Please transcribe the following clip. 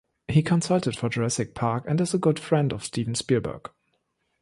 He consulted for "Jurassic Park" and is a good friend of Steven Spielberg.